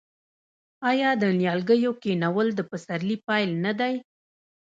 آیا د نیالګیو کینول د پسرلي پیل نه دی؟